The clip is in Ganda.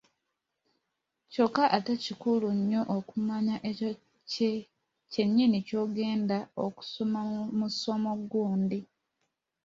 Kyokka ate kikulu nnyo okumanya ekyo kye nnyini ky’ogenda okusoma mu ssomo gundi.